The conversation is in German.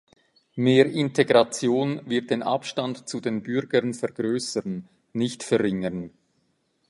Mehr Integration wird den Abstand zu den Bürgern vergrößern, nicht verringern.